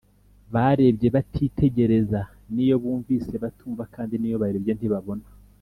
barebye batitegereza n iyo bumvise batumva kandi niyo barebye ntibabona